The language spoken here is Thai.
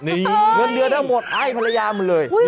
เงินเดือนอ้าวหมดอ้ายภรรยามันเลย